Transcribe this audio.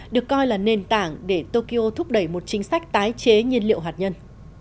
được coi là nền tảng để tokyo thúc đẩy một chính sách tái chế nhiên liệu hạt nhân